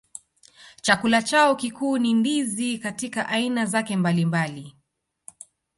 Chakula chao kikuu ni ndizi katika aina zake mbalimbali